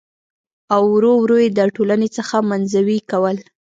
او ور ور يې د ټـولنـې څـخـه منـزوي کـول .